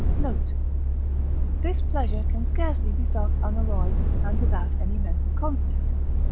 Note. This pleasure can scarcely be felt unalloyed, and without any mental conflict.